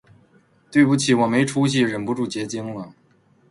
大家对不起，我没出息，忍不住结晶了